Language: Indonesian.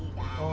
ya tidak pernah